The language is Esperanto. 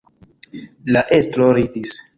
La estro ridis.